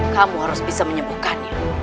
kamu harus bisa menyembuhkannya